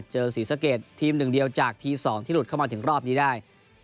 ศรีสะเกดทีมหนึ่งเดียวจากที๒ที่หลุดเข้ามาถึงรอบนี้ได้